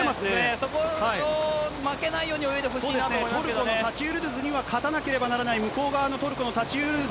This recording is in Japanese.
そこに負けないように泳いでトルコのタチユルドゥズには、勝たなければならない、向こう側のトルコのタチユルドゥズ。